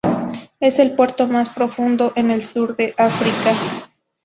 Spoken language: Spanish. Es el puerto más profundo en el sur de África.